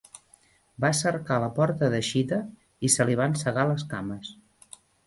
Va cercar la porta d'eixida, i se li van cegar les cames